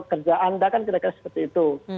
kerja anda kan kira kira seperti itu